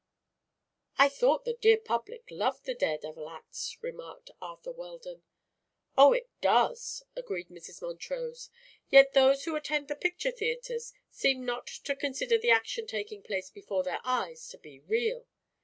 "I thought the dear public loved the dare devil acts," remarked Arthur Weldon. "Oh, it does," agreed Mrs. Montrose; "yet those who attend the picture theatres seem not to consider the action taking place before their eyes to be real.